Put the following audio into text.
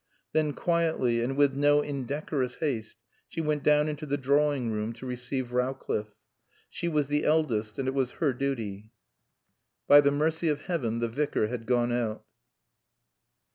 Then, quietly, and with no indecorous haste, she went down into the drawing room to receive Rowcliffe. She was the eldest and it was her duty. By the mercy of Heaven the Vicar had gone out.